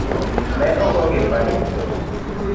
Ne ogogi fain.